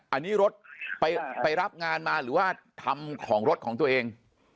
อันนี้รถไปรับงานมาหรือว่าทำของรถของตัวเอง